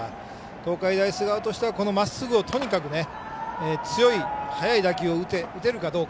東海大菅生としてはこのまっすぐを、とにかく強い、速い打球を打てるかどうか。